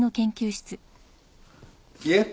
いえ。